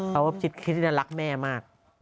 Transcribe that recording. เพราะว่าชิดคิดย่อนรักแม่มาก